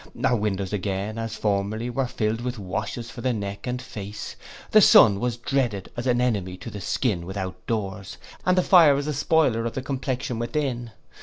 Our windows again, as formerly, were filled with washes for the neck and face. The sun was dreaded as an enemy to the skin without doors, and the fire as a spoiler of the complexion within.